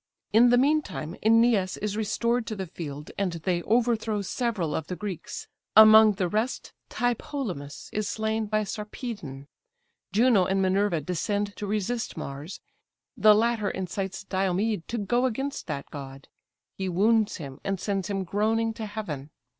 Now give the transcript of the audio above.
In the meantime Æneas is restored to the field, and they overthrow several of the Greeks; among the rest Tlepolemus is slain by Sarpedon. Juno and Minerva descend to resist Mars; the latter incites Diomed to go against that god; he wounds him, and sends him groaning to heaven.